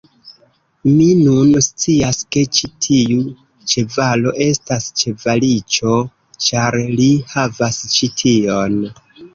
Mi nun scias, ke ĉi tiu ĉevalo estas ĉevaliĉo ĉar li havas ĉi tion!